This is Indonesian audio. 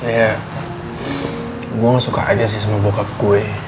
ya gue gak suka aja sih sama bokap gue